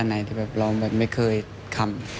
อันไหนที่เราไม่เคยคำ